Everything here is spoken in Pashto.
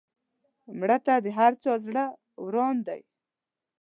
مړه ته د هر چا زړه وران دی